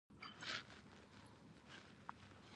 ازادي راډیو د اطلاعاتی تکنالوژي په اړه د نوښتونو خبر ورکړی.